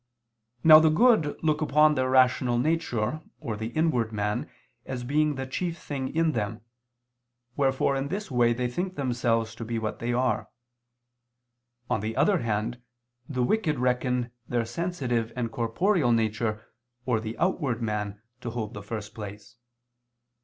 Now the good look upon their rational nature or the inward man as being the chief thing in them, wherefore in this way they think themselves to be what they are. On the other hand, the wicked reckon their sensitive and corporeal nature, or the outward man, to hold the first place.